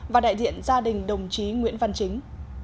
và đại diện gia đình đồng chí nguyễn văn chính